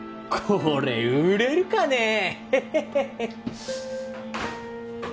これ売れるかね？